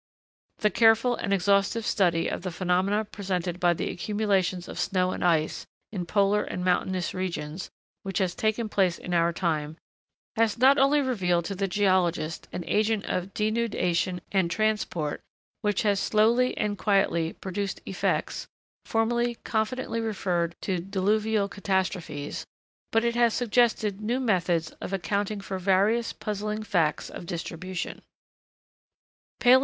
The careful and exhaustive study of the phenomena presented by the accumulations of snow and ice, in polar and mountainous regions, which has taken place in our time, has not only revealed to the geologist an agent of denudation and transport, which has slowly and quietly produced effects, formerly confidently referred to diluvial catastrophes, but it has suggested new methods of accounting for various puzzling facts of distribution. [Sidenote: Palæontology.